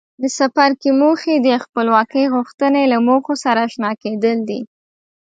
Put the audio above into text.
د څپرکي موخې د خپلواکۍ غوښتنې له موخو سره آشنا کېدل دي.